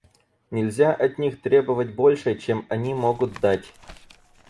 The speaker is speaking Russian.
Нельзя от них требовать больше, чем они могут дать.